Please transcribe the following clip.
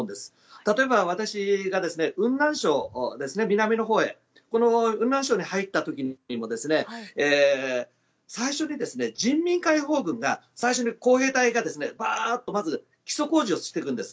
例えば、私が雲南省南のほうの雲南省に入った時にも最初に人民解放軍が最初に工兵隊がバーッと基礎工事をしていくんです。